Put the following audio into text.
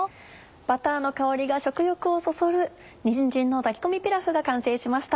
バターの香りが食欲をそそるにんじんの炊き込みピラフが完成しました。